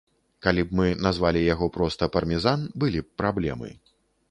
Калі б мы назвалі яго проста пармезан, былі б праблемы.